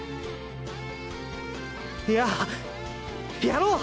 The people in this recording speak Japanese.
いややろう！